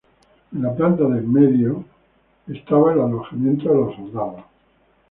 En la planta del medio había el alojamiento de los soldados.